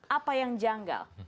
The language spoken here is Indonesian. apa yang janggal